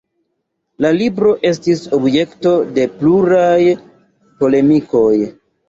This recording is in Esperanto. La libro estis objekto de pluraj polemikoj.